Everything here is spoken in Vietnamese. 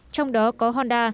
trong đó có honda